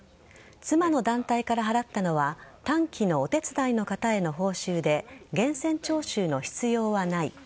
妻の団体から払ったのは短期のお手伝いの方への報酬で源泉徴収の必要はない。